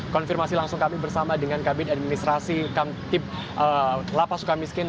konfirmasi langsung kami bersama dengan kabinet administrasi kamtip lp sukamiskin